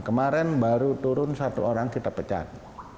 kemarin baru turun satu orang kita pecat